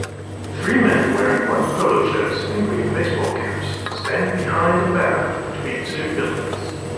Three men wearing white polo shirts and green baseball caps stand behind a banner between two buildings